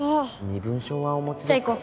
身分証はお持ちですか？